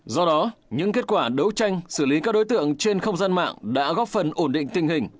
do đó những kết quả đấu tranh xử lý các đối tượng trên không gian mạng đã góp phần ổn định tình hình